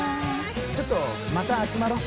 ちょっとまた集まろう。